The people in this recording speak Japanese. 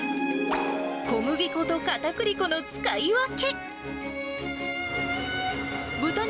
小麦粉とかたくり粉の使い分け。